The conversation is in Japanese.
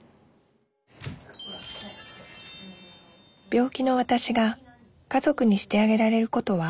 病気のわたしが家族にしてあげられることは？